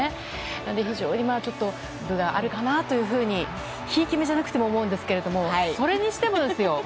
なので、非常にちょっと分があるかなというふうにひいき目じゃなくても思うんですけどそれにしてもですよ。